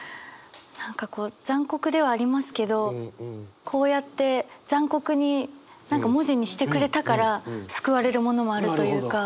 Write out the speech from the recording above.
何かこう残酷ではありますけどこうやって残酷に何か文字にしてくれたから救われるものもあるというか。